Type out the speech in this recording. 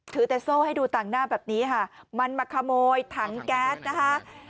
ถือแต่โซ่ให้ดูต่างหน้าแบบนี้ค่ะมันมาขโมยถังแก๊สนะคะ